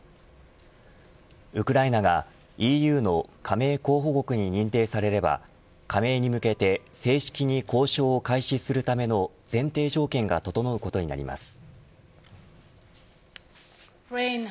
ウクライナがＥＵの加盟候補国に認定されれば加盟に向けて正式に交渉を開始するための前提条件が整うことになります。